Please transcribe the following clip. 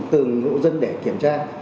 từng hộ dân để kiểm tra